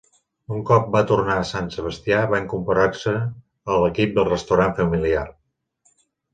Un cop va tornar a Sant Sebastià, va incorporar-se a l'equip del restaurant familiar.